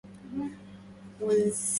سفينةٌ عطبت في جوفها رومُ